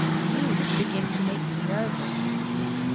You begin to make me nervous."